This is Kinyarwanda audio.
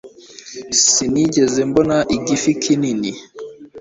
Sinigeze mbona igifi kinini